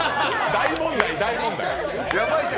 大問題、大問題。